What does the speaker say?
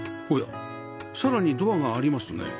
さらにドアがありますね